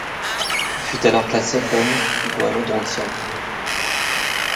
Il fut alors classé comme Iguanodontia.